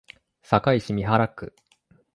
堺市美原区